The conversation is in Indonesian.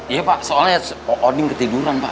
iya pak soalnya ording ketiduran pak